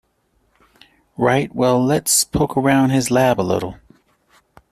Right, well let's poke around his lab a little.